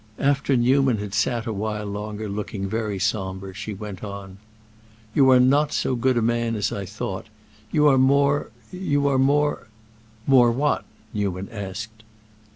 After Newman had sat a while longer looking very sombre, she went on: "You are not so good a man as I thought. You are more—you are more—" "More what?" Newman asked.